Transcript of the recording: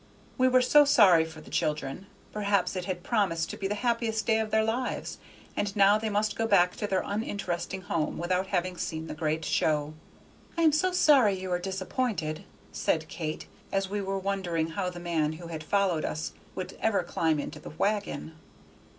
We were so sorry for the children; perhaps it had promised to be the happiest day of their lives, and now they must go back to their uninteresting home without having seen the great show. "I am so sorry you are disappointed," said Kate, as we were wondering how the man who had followed us could ever climb into the wagon.